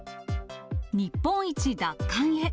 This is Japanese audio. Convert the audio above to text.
日本一奪還へ。